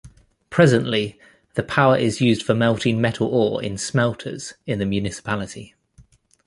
Presently, the power is used for melting metal ore in smelters in the municipality.